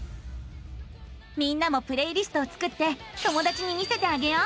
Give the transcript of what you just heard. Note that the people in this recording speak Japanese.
みんなもプレイリストを作って友だちに見せてあげよう。